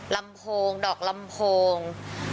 ลำโพงดอกลำโพง